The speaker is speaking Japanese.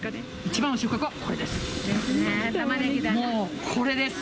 一番の収穫はこれです。